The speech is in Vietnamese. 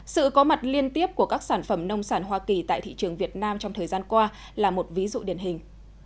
sự có mặt liên tiếp của các sản phẩm nông sản hoa kỳ tại thị trường việt nam trong thời gian qua là một ví dụ điển hình